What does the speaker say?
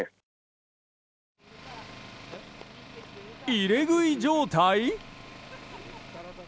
入れ食い状態？